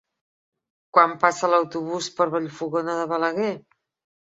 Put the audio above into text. Quan passa l'autobús per Vallfogona de Balaguer?